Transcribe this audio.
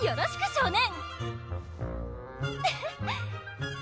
少年！